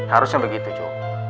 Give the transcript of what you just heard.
harusnya begitu cu